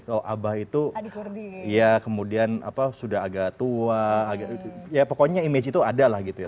kalau abah itu ya kemudian apa sudah agak tua agak ya pokoknya image itu ada lah gitu ya